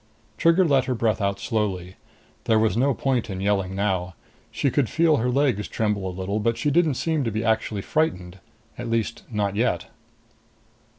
Trigger let her breath out slowly. There was no point in yelling now. She could feel her legs tremble a little, but she didn't seem to be actually frightened. At least, not yet.